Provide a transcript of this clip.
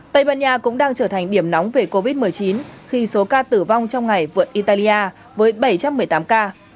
tây ban nha cũng đang trở thành điểm nóng về covid một mươi chín khi số ca tử vong trong ngày vượt italia với bảy trăm một mươi tám ca